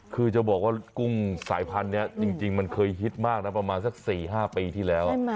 คือจะบอกว่ากุ้งสายพันธุ์นี้จริงมันเคยฮิตมากนะประมาณสัก๔๕ปีที่แล้ว